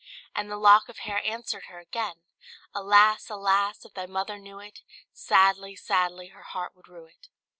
And the lock of hair answered her again "Alas! alas! if thy mother knew it, Sadly, sadly her heart would rue it."